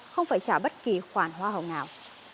không phải trả bất kỳ khoản hoa hồng nào